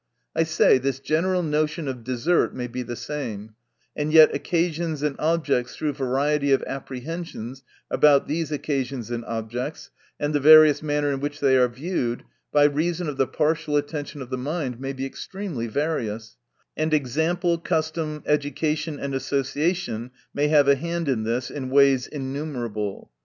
I say, this general notion of desert may be the same ; and yet occasions and objects through variety of apprehensions about these occasions and objects, and the various manner in which they are viewed, by reason of the partial attention of the mind, may be extremely various ; and example, custom, education, and association may hive a hand in this, in ways innumerable.